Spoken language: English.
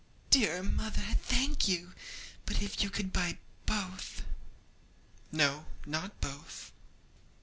'Dear mother, thank you! but if you could buy both?' 'No, not both.'